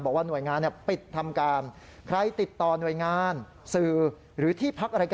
บอกว่าหน่วยงานปิดทำการใครติดต่อหน่วยงานสื่อหรือที่พักอะไรก็